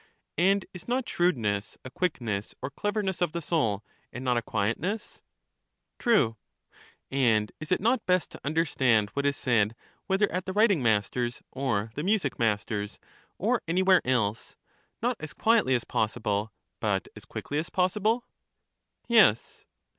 And is not shrewdness a quickness or cleverness of the soul, and not a quietness? True. And is it not best to understand what is said, whether at the writing master's or the music master's, or anywhere else, not as quietly as possible, but as quickly as possible? o:..... Google CHARMIDES 17 Yes.